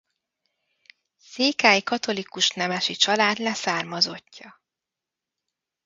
Székely katolikus nemesi család leszármazottja.